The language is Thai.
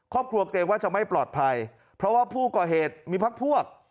เกรงว่าจะไม่ปลอดภัยเพราะว่าผู้ก่อเหตุมีพักพวก